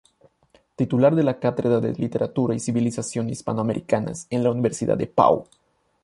Titular de la cátedra de literatura y civilización hispanoamericanas en la Universidad de Pau.